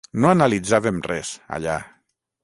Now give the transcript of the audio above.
No analitzàvem res, allà.